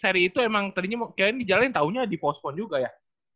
seri itu emang tadinya kirain dijalanin tahunnya dipostpon juga ya